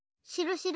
しろ。